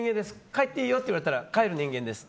帰っていいよって言われたら帰る人間です。